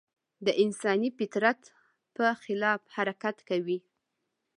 د انساني فطرت په خلاف حرکت کوي.